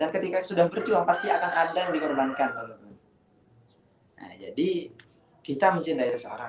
ketika sudah berjuang pasti akan ada yang dikorbankan jadi kita mencintai seseorang